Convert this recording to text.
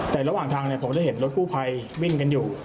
แต่ระหว่างทางผมจะเห็นรถกู้ภัยวิ่งกันอยู่